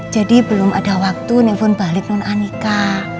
jadi belum ada waktu telfon balik non anika